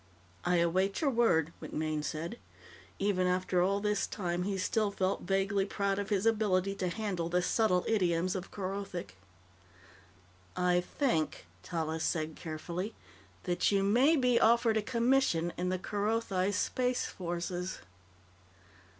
"I await your word," MacMaine said. Even after all this time, he still felt vaguely proud of his ability to handle the subtle idioms of Kerothic. "I think," Tallis said carefully, "that you may be offered a commission in the Kerothi Space Forces."